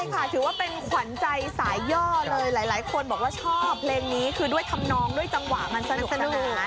ใช่ค่ะถือว่าเป็นขวัญใจสายย่อเลยหลายคนบอกว่าชอบเพลงนี้คือด้วยธรรมนองด้วยจังหวะมันสนุกสนาน